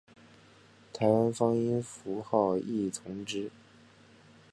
台湾方音符号亦从之。